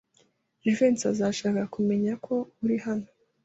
Jivency azashaka kumenya ko uri hano.